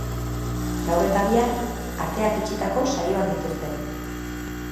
Gaur eta bihar ateak itxitako saioak dituzte.